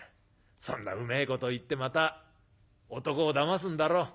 そんなうめえこと言ってまた男をだますんだろ？